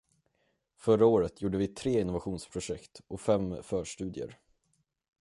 Förra året gjorde vi tre innovationsprojekt och fem förstudier.